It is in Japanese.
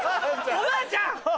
おばあちゃん！